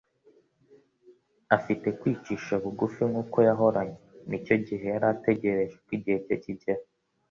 Afite kwicisha bugufi nk’uko yahoranye, n’icyo gihe yari ategereje ko igihe cye kigera.